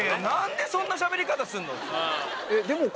何でそんなしゃべり方すんの？って。